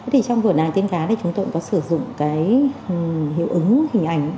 thì trong vở nàng tiên cá chúng tôi cũng có sử dụng cái hiệu ứng hình ảnh